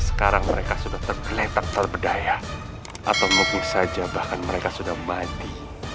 sekarang mereka sudah tergeletak terbedaya atau mungkin saja bahkan mereka sudah mati